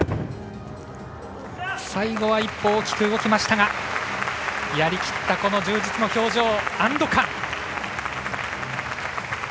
最後は１歩大きく動きましたがやりきったこの充実の表情安ど感。